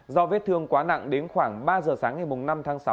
do vết thương quá nặng đến khoảng ba giờ sáng ngày năm tháng sáu